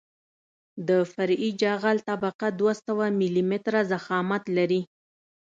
د فرعي جغل طبقه دوه سوه ملي متره ضخامت لري